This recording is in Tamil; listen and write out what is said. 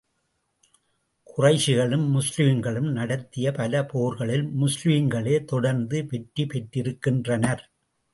குறைஷிகளும் முஸ்லிம்களும் நடத்திய பல போர்களில் முஸ்லிம்களே தொடர்ந்து வெற்றி பெற்றிருக்கின்றனர்.